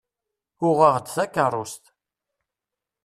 Uɣeɣ-d takerrust.